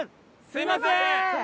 すみません！